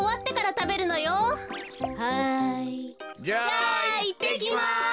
じゃあいってきます。